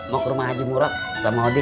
mau ke rumah haji murad sama odi